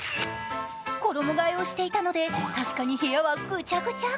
衣がえをしていたので、確かに部屋はぐちゃぐちゃ。